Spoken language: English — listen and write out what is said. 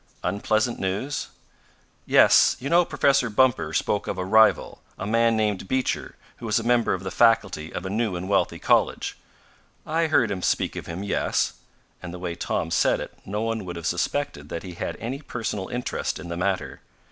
"Unpleasant news?" "Yes. You know Professor Bumper spoke of a rival a man named Beecher who is a member of the faculty of a new and wealthy college." "I heard him speak of him yes," and the way Tom said it no one would have suspected that he had any personal interest in the matter.